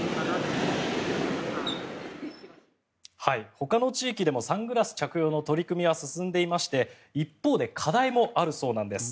ほかの地域でもサングラス着用の取り組みは進んでいまして一方で課題もあるそうです。